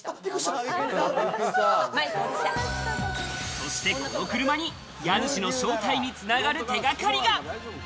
そして、この車に家主の正体につながる手掛かりが。